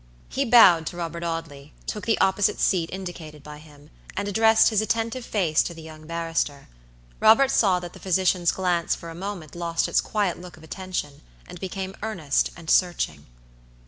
He bowed to Robert Audley, took the opposite seat indicated by him, and addressed his attentive face to the young barrister. Robert saw that the physician's glance for a moment lost its quiet look of attention, and became earnest and searching.